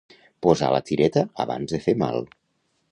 Posar la tireta abans de fer mal.